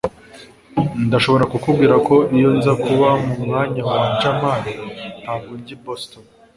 ndashobora kukubwira ko iyo nza kuba mu mwanya wa jamali, ntabwo njya i boston